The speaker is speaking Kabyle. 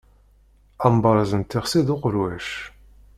Amberrez n tixsi d uqelwac.